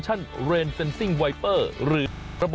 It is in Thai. สวัสดีครับคุณพี่สวัสดีครับ